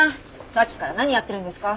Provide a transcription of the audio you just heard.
さっきから何やってるんですか？